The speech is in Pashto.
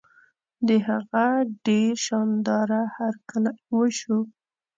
د هغه ډېر شان داره هرکلی وشو.